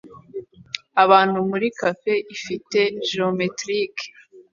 Abantu muri cafe ifite geometrike